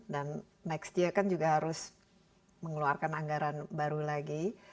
dan next year kan juga harus mengeluarkan anggaran baru lagi